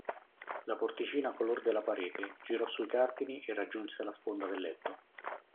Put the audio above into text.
La porticina color della parete girò sui cardini e raggiunse la sponda del letto.